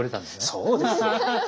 そうですよ。